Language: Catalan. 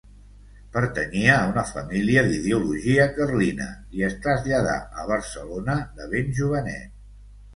Pertanyia a una família d'ideologia carlina i es traslladà a Barcelona de ben jovenet.